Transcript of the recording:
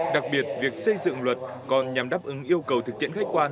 đặc biệt việc xây dựng luật còn nhằm đáp ứng yêu cầu thực tiễn khách quan